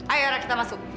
ayo arah kita masuk